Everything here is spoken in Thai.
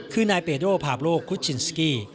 คือนายเปด้วภาพโลกคุจินสกี้